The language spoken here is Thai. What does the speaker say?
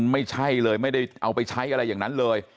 ไม่ใช่เลยไม่ได้เอาไปใช้อะไรอย่างนั้นเลย